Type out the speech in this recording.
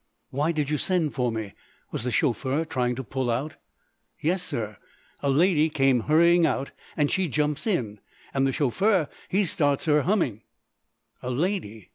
"Why did you send for me? Was the chauffeur trying to pull out?" "Yes, sir. A lady come hurrying out an' she jumps in, and the shawfur he starts her humming——" "A lady!